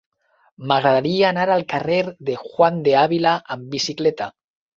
M'agradaria anar al carrer de Juan de Ávila amb bicicleta.